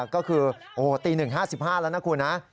ก็คือโอ้โฮตี๑๕๕แล้วนะคุณฮะ